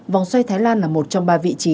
vòng xoay thái lan là một trong ba vị trí